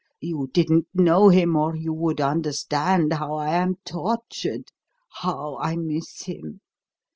You didn't know him or you would understand how I am tortured how I miss him.